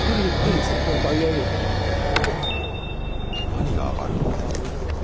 何が揚がるんだい？